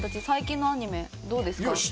最近のアニメどうですか？